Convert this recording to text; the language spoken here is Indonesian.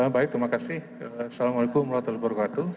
baik terima kasih assalamualaikum warahmatullahi wabarakatuh